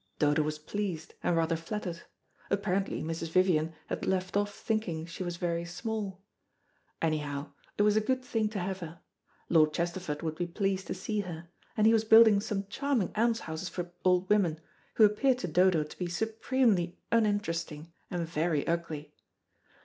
Dodo was pleased and rather flattered. Apparently Mrs. Vivian had left off thinking she was very small. Anyhow, it was a good thing to have her. Lord Chesterford would be pleased to see her, and he was building some charming almshouses for old women, who appeared to Dodo to be supremely uninteresting and very ugly.